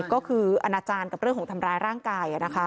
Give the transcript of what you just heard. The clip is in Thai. ก็คืออนาจารย์กับเรื่องของทำร้ายร่างกาย